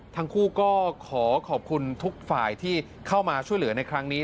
ทั้งคู่ก็ขอขอบคุณทุกฝ่ายที่เข้ามาช่วยเหลือในครั้งนี้